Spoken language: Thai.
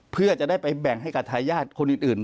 เพื่อจะได้ไปแบ่งให้กับทายาทคนอื่น